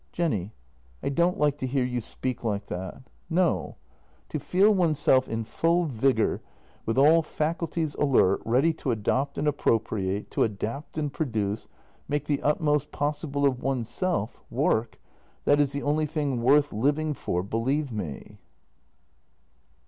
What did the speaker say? " Jenny, I don't like to hear you speak like that. No; to feel oneself in full vigour, with all faculties alert, ready to adopt and appropriate, to adapt and produce, make the utmost possible of oneself — work — that is the only thing worth living for, believe me."